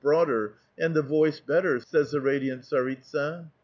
broader and the voice better," savs the radiant tsaritsa.